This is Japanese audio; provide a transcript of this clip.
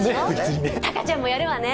たかちゃんもやるよね。